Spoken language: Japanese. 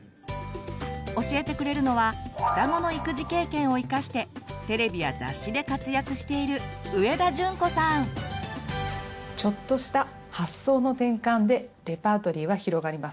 教えてくれるのは双子の育児経験を生かしてテレビや雑誌で活躍しているちょっとした発想の転換でレパートリーは広がります。